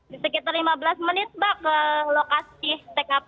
di sekitar lima belas menit mbak ke lokasi tkp